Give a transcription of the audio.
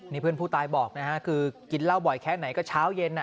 นี่เพื่อนผู้ตายบอกนะฮะคือกินเหล้าบ่อยแค่ไหนก็เช้าเย็น